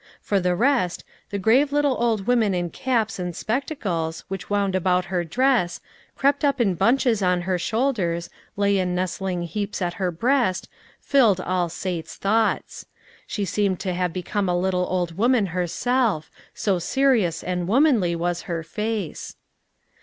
For the rest, the grave little old women in caps and spectacles, which wound about her dress, crept up in bunches on her shoulders, lay in nestling heaps at her breast, filled all Sate's thoughts. She seemed to have become a little old woman herself, so serious and womanly was her face.